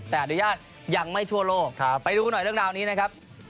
แต่อนุญาตยังไม่ทั่วโลกไปดูกันหน่อยเรื่องราวนี้นะครับ